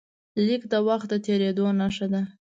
لیک د وخت د تېرېدو نښه ده.